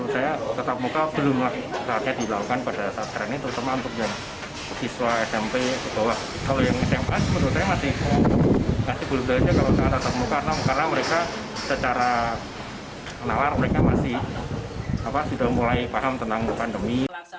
karena mereka secara kenalar mereka masih tidak mulai paham tentang pandemi